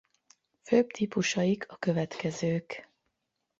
Főbb típusaik a következők.